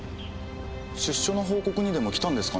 出所の報告にでも来たんですかねぇ。